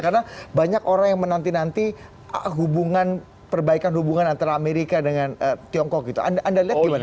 karena banyak orang yang menanti nanti perbaikan hubungan antara amerika dengan tiongkok gitu anda lihat gimana